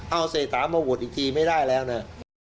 เอาเศรษฐามาโหวตอีกทีไม่ได้แล้วนะ